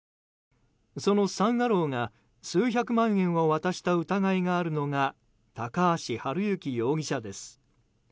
そのサン・アローが数百万円を渡した疑いがあるのが高橋治之容疑者です。